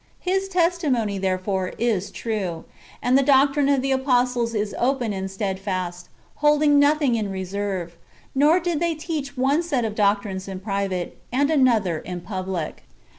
His testimony, therefore, is true, and the doctrine of the apostles is open and stedfast, holding nothing in re serve ; nor did they teach one set of doctrines in private, and another in public.